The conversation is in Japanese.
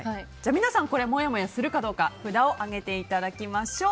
皆さん、もやもやするかどうか札を上げていただきましょう。